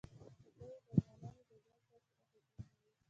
وګړي د افغانانو د ژوند طرز اغېزمنوي.